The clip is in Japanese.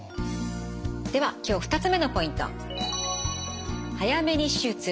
では今日２つ目のポイント。